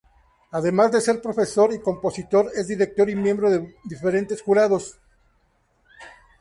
Además de ser profesor y compositor, es director y miembro de diferentes jurados.